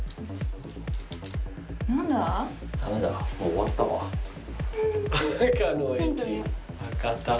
終わったか。